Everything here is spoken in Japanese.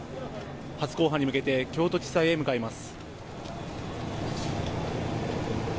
初公判に向けて京都地裁へ向かいます。